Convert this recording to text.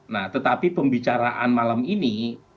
nah tetapi pembicaraan malam ini